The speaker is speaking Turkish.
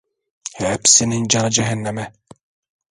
Hepsinin canı cehenneme!